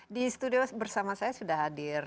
di studio bersama saya sudah hadir